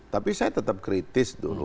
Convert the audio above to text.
tapi saya tetap kritis dulu